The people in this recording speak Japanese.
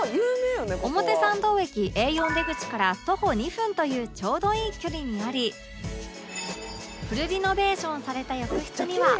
表参道駅 Ａ４ 出口から徒歩２分というちょうどいい距離にありフルリノベーションされた浴室には